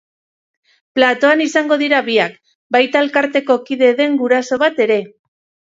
Platoan izango dira biak, baita elkarteko kide den guraso bat ere.